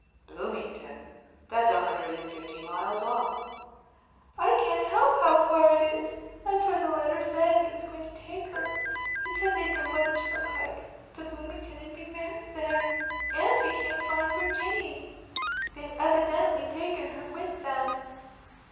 "Bloomington? That's a hundred and fifty miles off." "I can't help how far off it is. That's where the letter said he was going to take her. It said they'd go by the turnpike to Bloomington and be married there. And we can't find Virginie—they've evidently taken her with them."